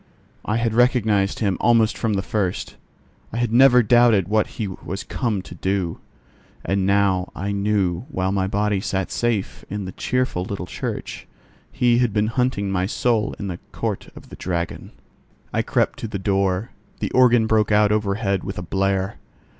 I had recognized him almost from the first; I had never doubted what he was come to do; and now I knew while my body sat safe in the cheerful little church, he had been hunting my soul in the Court of the Dragon. I crept to the door: the organ broke out overhead with a blare.